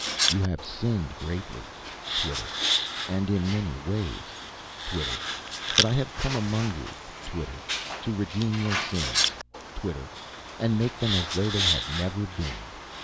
"You have sinned greatly " Twitter. " and in many ways." Twitter. "But I have come among you " Twitter. " to redeem your sins " Twitter. " and make them as though they had never been."